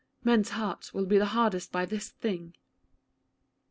Men's hearts will be hardened by this thing."